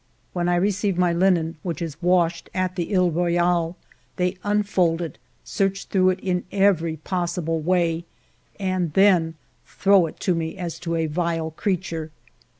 When I receive my linen, which is washed at the He Royale, they unfold it, search through it in every possible way, and then throw it to me as to a vile creature.